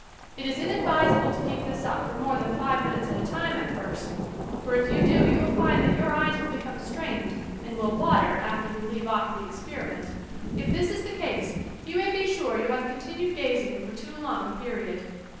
It is inadvisable to keep this up for more than five minutes at a time at first, for if you do you will find that your eyes will become strained and will "water" after you leave off the experiment. If this is the case you may be sure you have continued gazing for too long a period.